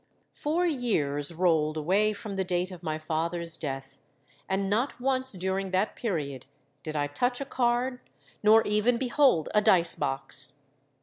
"Four years rolled away from the date of my father's death; and not once during that period did I touch a card nor even behold a dice box.